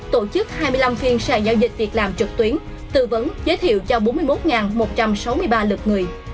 tổ chức hai mươi năm phiên sàn giao dịch việc làm trực tuyến tư vấn giới thiệu cho bốn mươi một một trăm sáu mươi ba lượt người